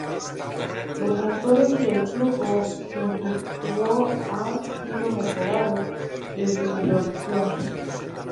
Los motores de flujo centrífugo han sido mejorados desde su introducción.